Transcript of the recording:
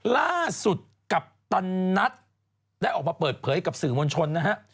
ล่าสุดกัปตันนัทได้ออกมาเปิดเผยกับสื่อมวลชนนะฮะ